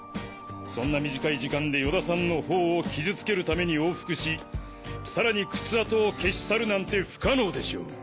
そんな短い時間で与田さんの頬を傷つけるために往復しさらに靴跡を消し去るなんて不可能でしょう。